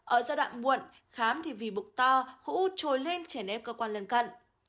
ở giai đoạn muộn khám thì vì bụng to hữu trôi lên trẻ nếp cơ quan lần cận